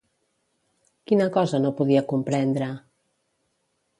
Quina cosa no podia comprendre?